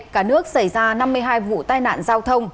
cả nước xảy ra năm mươi hai vụ tai nạn giao thông